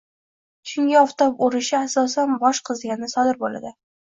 Chunki oftob o`rishi asosan bosh qiziganda sodir bo`ladi